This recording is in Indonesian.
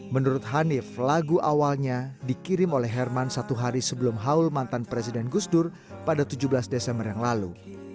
menurut hanif lagu awalnya dikirim oleh herman satu hari sebelum haul mantan presiden gusdur pada tujuh belas desember yang lalu